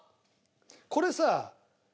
これさ。